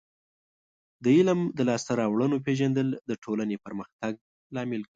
د علم د لاسته راوړنو پیژندل د ټولنې پرمختګ لامل ګرځي.